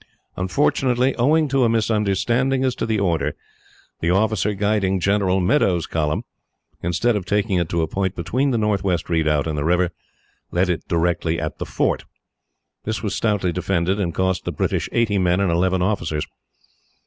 Unfortunately, owing to a misunderstanding as to the order, the officer guiding General Meadow's column, instead of taking it to a point between the northwestern redoubt and the river, led it directly at the fort. This was stoutly defended, and cost the British eighty men and eleven officers.